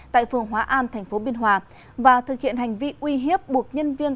tại phường hóa an tp biên hòa và thực hiện hành vi uy hiếp buộc nhân viên